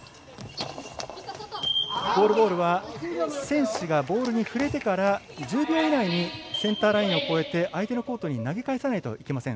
ゴールボールは選手がボールに触れてから１０秒以内にセンターラインを越えて相手のコートに投げ返さないといいけません。